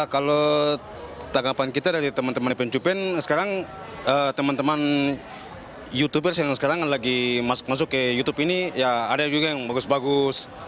kalau tanggapan kita dari teman teman event cuppen sekarang teman teman youtubers yang sekarang lagi masuk ke youtube ini ya ada juga yang bagus bagus